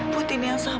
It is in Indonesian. butini yang sabar ya bu